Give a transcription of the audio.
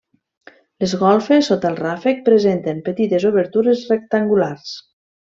Les golfes, sota el ràfec, presenten petites obertures rectangulars.